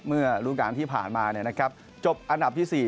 เมื่อรุ้นการที่ผ่านมาเนี่ยนะครับจบอันดับที่สี่